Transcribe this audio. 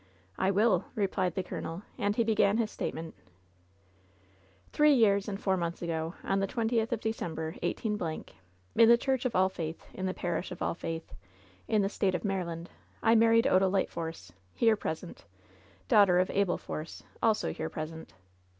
"I will," replied the coloneL And he began his state ment: "Three years and four months ago, on the twentieth of December, 18 —, in the Church of All Faith, in the Parish of All Faith, in the State of Maryland, I mar ried Odalite Force, here present, daughter of Abel Force, also here present.